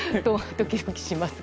ドキドキしますが。